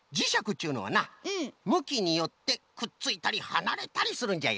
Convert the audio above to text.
っちゅうのはなむきによってくっついたりはなれたりするんじゃよ。